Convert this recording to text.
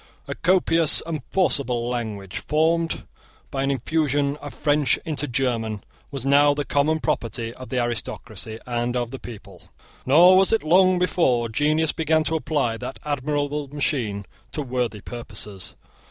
A copious and forcible language, formed by an infusion of French into German, was now the common property of the aristocracy and of the people. Nor was it long before genius began to apply that admirable machine to worthy purposes.